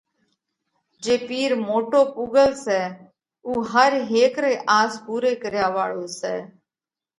جي پِير موٽو پُوڳل سئہ اُو هر هيڪ رئِي آس پُورئِي ڪريا واۯو سئہ۔